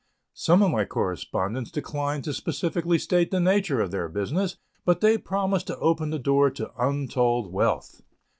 Some of my correspondents declined to specifically state the nature of their business, but they promised to open the door to untold wealth.